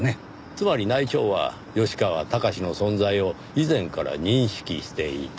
つまり内調は吉川崇の存在を以前から認識していた。